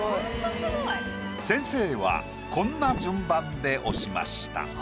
先生はこんな順番で押しました。